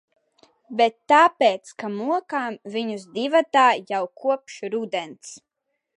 Bet tāpēc, ka mokām viņus divatā jau kopš rudens.